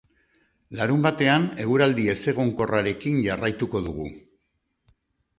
Larunbatean eguraldi ezegonkorrarekin jarraituko dugu.